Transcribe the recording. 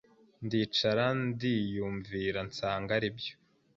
Ndicara ndiyumvira nsanga aribyo